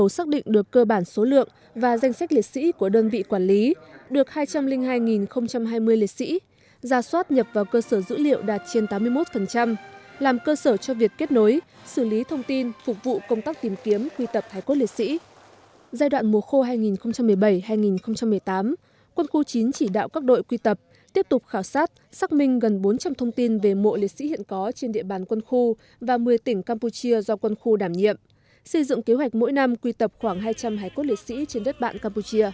xây dựng kế hoạch mỗi năm quy tập khoảng hai trăm linh hải quốc lịch sĩ trên đất bạn campuchia